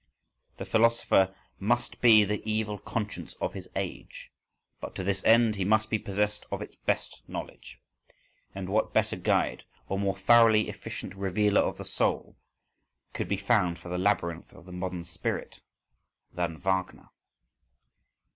The philosopher must be the evil conscience of his age,—but to this end he must be possessed of its best knowledge. And what better guide, or more thoroughly efficient revealer of the soul, could be found for the labyrinth of the modern spirit than Wagner?